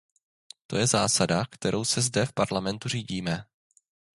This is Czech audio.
To je zásada, kterou se zde v Parlamentu řídíme.